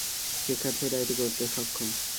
শিক্ষার্থীরা এটি করতে সক্ষম।